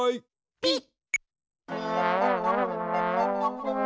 ピッ！